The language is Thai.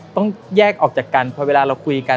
ต้องแยกออกจากกันพอเวลาเราคุยกัน